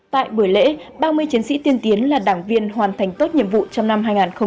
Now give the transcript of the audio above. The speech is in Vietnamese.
tại buổi lễ ba mươi chiến sĩ tiên tiến là đảng viên hoàn thành tốt nhiệm vụ trong năm hai nghìn hai mươi